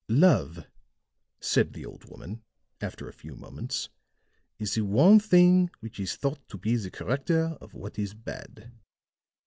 "Love," said the old woman, after a few moments, "is the one thing which is thought to be the corrector of what is bad.